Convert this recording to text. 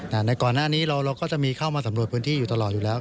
ในก่อนหน้านี้เราเราก็จะมีเข้ามาสำรวจพื้นที่อยู่ตลอดอยู่แล้ว